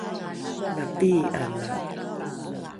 la pii’ana!